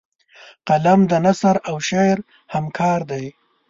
قلم د نثر او شعر همکار دی